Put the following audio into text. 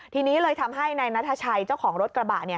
ทีนี้เลยทำให้นายนัทชัยเจ้าของรถกระบะ